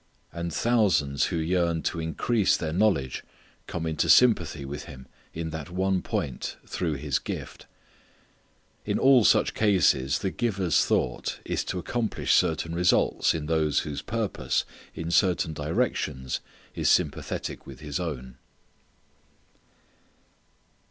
And thousands who yearn to increase their knowledge come into sympathy with him in that one point through his gift. In all such cases the giver's thought is to accomplish certain results in those whose purpose in certain directions is sympathetic with his own.